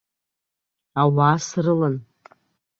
Ауаа срылан.